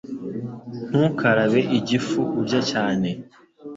Ntukarabe igifu urya cyane.